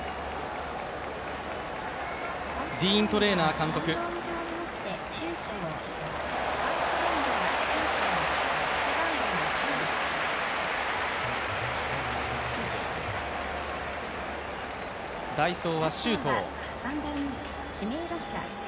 ディーン・トレーナー監督代走は周東。